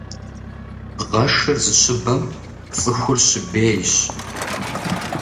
Гъэшыр зыщыбэм цӀыхур щыбейщ.